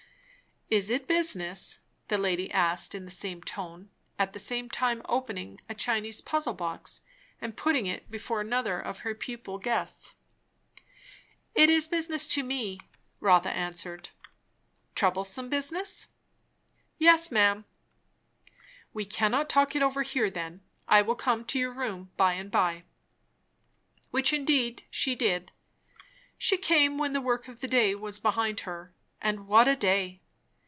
"Is it business?" the lady asked in the same tone, at the same time opening a Chinese puzzle box and putting it before another of her pupil guests. "It is business to me," Rotha answered. "Troublesome business?" "Yes, ma'am." "We cannot talk it over here, then. I will come to your room by and by." Which indeed she did. She came when the work of the day was behind her; and what a day!